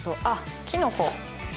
あっ、きのこ。